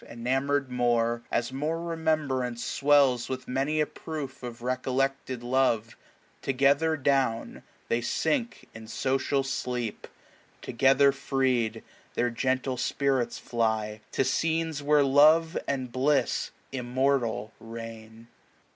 Enamour d more, as more remembrance sw ells With many a proof of recollected love, ^^7 Together down they sink in social sleep ; Together freed, their gentle spirits fly To scenes where love and bliss immortal reign.